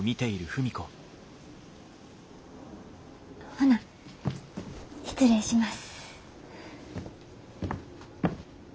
ほな失礼します。